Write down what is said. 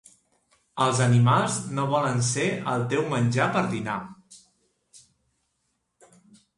Els animals no volen ser el teu menjar per dinar